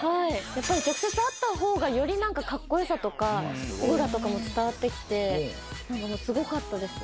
やっぱり直接会った方がより何かかっこよさとかオーラとかも伝わってきてすごかったです。